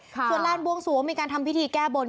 ส่วนลานบวงสวงมีการทำพิธีแก้บน